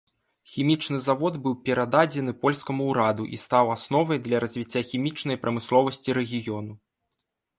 Хімічны завод быў перададзены польскаму ўраду і стаў асновай для развіцця хімічнай прамысловасці рэгіёну.